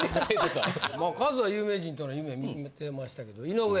数は有名人との夢見てましたけど井上！